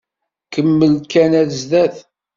Kemmel kan ar zdat.